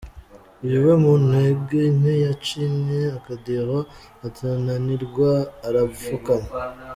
Uyu we mu ntege nke yacinye akadiho atrananirwa arapfukama.